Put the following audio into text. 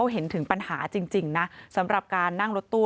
เห็นถึงปัญหาจริงนะสำหรับการนั่งรถตู้